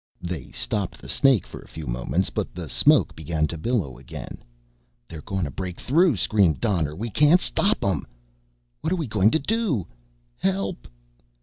They stopped the snake for a few moments, but the smoke began to billow again. "They're gonna break through!" screamed Donner. "We can't stop 'em!" "What are we gonna do?" "Help!"